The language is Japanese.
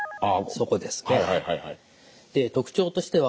そこですね。